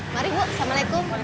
mari bu assalamualaikum